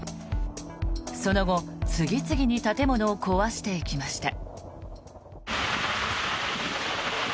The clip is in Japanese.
その後次々に建物を壊していきました。